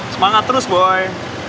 semangat terus boy